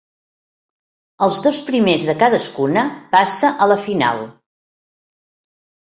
Els dos primers de cadascuna passa a la final.